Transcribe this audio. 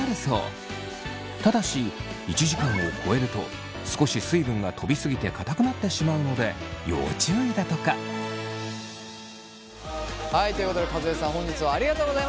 ただし１時間を超えると少し水分がとび過ぎてかたくなってしまうので要注意だとか。ということで和江さん本日はありがとうございました。